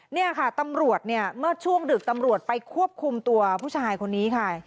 เนี่ยค่ะตำรวจเนี่ยเมื่อช่วงดึกตำรวจไปควบคุมตัวผู้ชายคนนี้ค่ะ